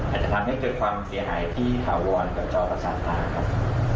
อาจจะทำให้เกิดความเสียหายที่ถาวรกับจอประสาทธาครับ